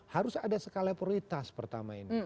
harus ada skala prioritas pertama ini